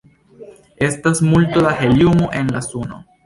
Estas multo da heliumo en la suno.